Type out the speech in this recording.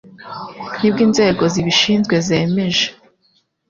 nibwo inzego zibishinzwe zemeje